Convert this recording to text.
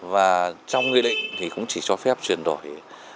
và trong nghị định thì cũng chỉ cho phép chuyển đổi hai mươi